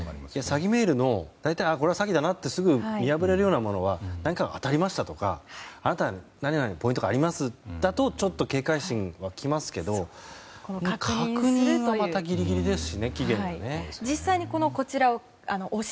詐欺メールのこれは詐欺だなとすぐ見破れるようなものは何か当たりましたとかあなたは何々のポイントがありますだとちょっと警戒心が沸きますけど確認はまたギリギリですと。